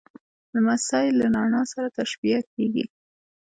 لمسی له رڼا سره تشبیه کېږي.